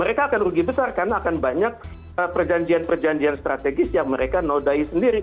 mereka akan rugi besar karena akan banyak perjanjian perjanjian strategis yang mereka nodai sendiri